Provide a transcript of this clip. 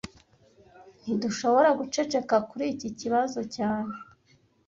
Ntidushobora guceceka kuri iki kibazo cyane